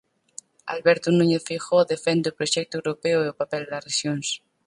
Alberto Núñez Feijóo defende o proxecto europeo e o papel das rexións.